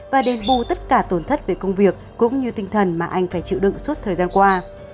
và đền bù tất cả tổn thất về công việc cũng như tinh thần mà anh phải chịu đựng suốt thời gian qua